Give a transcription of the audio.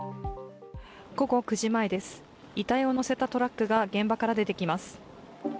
午後９時前です、遺体を乗せたトラックが現場から出てきます。